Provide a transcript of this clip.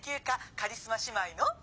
カリスマ姉妹の。